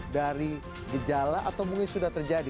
dari gejala atau mungkin sudah terjadi